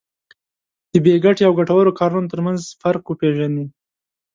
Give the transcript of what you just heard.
د بې ګټې او ګټورو کارونو ترمنځ فرق وپېژني.